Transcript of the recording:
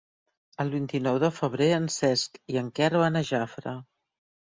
El vint-i-nou de febrer en Cesc i en Quer van a Jafre.